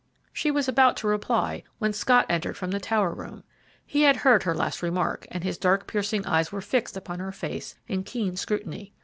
She was about to reply, when Scott entered from the tower room. He had heard her last remark, and his dark, piercing eyes were fixed upon her face in keen scrutiny.